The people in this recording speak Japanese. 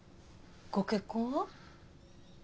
ご結婚は？